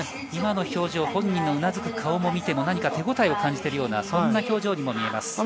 今の表情、本人のうなずく顔を見ても手応えを感じているような表情に見えます。